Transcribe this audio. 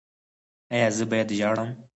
ایا زه باید ژاړم؟